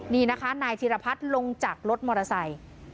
นี่นะคะนายธีรพัฒน์ลงจากรถมอเตอร์ไซค์